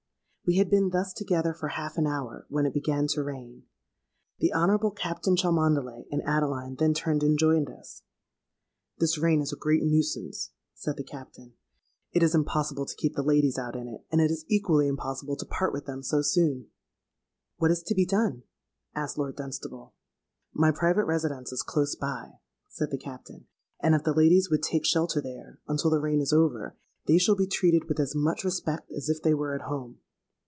We had been thus together for half an hour, when it began to rain. The Honourable Captain Cholmondeley and Adeline then turned and joined us. 'This rain is a great nuisance,' said the Captain: 'it is impossible to keep the ladies out in it; and it is equally impossible to part with them so soon.'—'What is to be done?' asked Lord Dunstable.—'My private residence is close by,' said the Captain; 'and if the ladies would take shelter there, until the rain is over, they shall be treated with as much respect as if they were at home.'